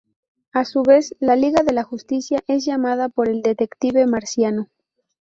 A su vez, la Liga de la Justicia es llamada por el Detective Marciano.